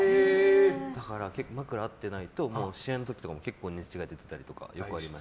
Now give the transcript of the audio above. だから、枕が合ってないと試合の時とかも結構、寝違えたりとかよくあります。